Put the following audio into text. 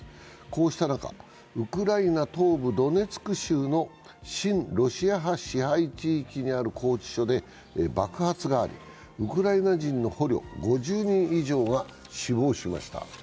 こうした中、ウクライナ東部ドネツク州の親ロシア派支配地域にある拘置所で爆発がありウクライナ人の捕虜５０人以上が死亡しました。